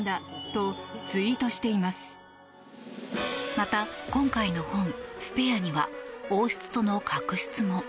また、今回の本「スペア」には王室との確執も。